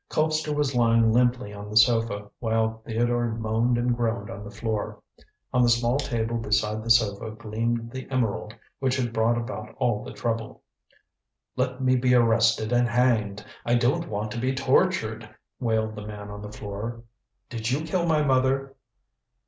Colpster was lying limply on the sofa, while Theodore moaned and groaned on the floor. On the small table beside the sofa gleamed the emerald which had brought about all the trouble. "Let me be arrested and hanged. I don't want to be tortured," wailed the man on the floor. "Did you kill my mother?"